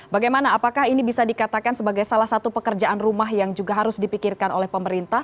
bagaimana apakah ini bisa dikatakan sebagai salah satu pekerjaan rumah yang juga harus dipikirkan oleh pemerintah